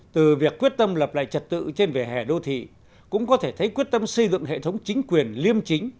từ việc quyết tâm lập lại trật tự trên vỉa hè đô thị cũng có thể thấy quyết tâm xây dựng hệ thống chính quyền liêm chính